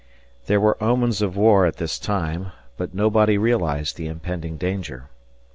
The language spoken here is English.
There were omens of war at this time, but nobody realized the impending danger.